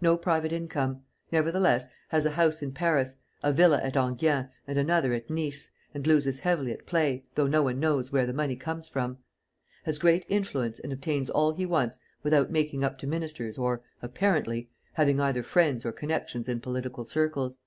No private income. Nevertheless, has a house in Paris, a villa at Enghien and another at Nice and loses heavily at play, though no one knows where the money comes from. Has great influence and obtains all he wants without making up to ministers or, apparently, having either friends or connections in political circles."